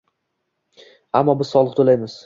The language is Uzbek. Ammo biz soliq toʼlaymiz.